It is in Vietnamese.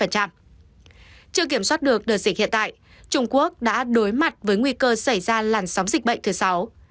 chưa kiểm soát được đợt dịch hiện tại trung quốc đã đối mặt với nguy cơ xảy ra làn sóng dịch bệnh thứ sáu